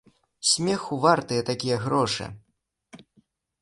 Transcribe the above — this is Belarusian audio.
Смеху вартыя такія грошы.